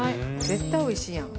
絶対おいしいやん。